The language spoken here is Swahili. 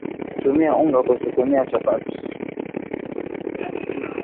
tumia unga kusukumia chapati